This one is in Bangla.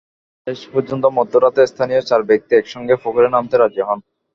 শেষ পর্যন্ত মধ্যরাতে স্থানীয় চার ব্যক্তি একসঙ্গে পুকুরে নামতে রাজি হন।